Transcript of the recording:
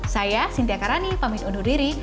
saya cynthia karani pamit undur diri